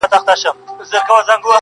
o له عالمه سره غم، نه غم!